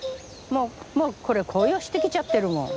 もうこれ紅葉してきちゃってるもん。